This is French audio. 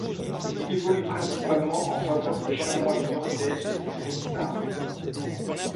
Il évolue principalement en faveur des Chamois niortais et du Red Star.